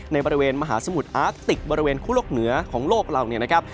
ในบริเวณมหาสมุทรอจิติกบริเวณคุณลกเหนือของโลกเรา